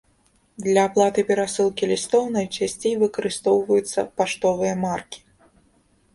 Для аплаты перасылкі лістоў найчасцей выкарыстоўваюцца паштовыя маркі.